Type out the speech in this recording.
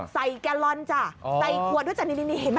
แกลลอนจ้ะใส่ขวดด้วยจ้ะนี่เห็นไหม